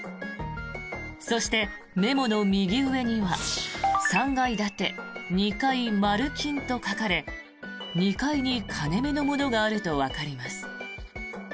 そして、メモの右上には「３階建て２階○金」と書かれ２回に金目のものがあるとわかります。